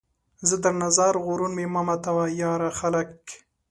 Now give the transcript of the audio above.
زه درنه ځار ، غرور مې مه ماتوه ، یاره ! خلک